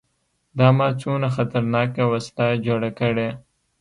دا ما څونه خطرناکه وسله جوړه کړې.